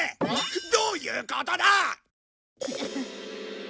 どういうことだ！？